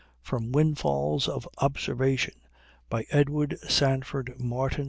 [From Windfalls of Observation, by Edward Sandford Martin.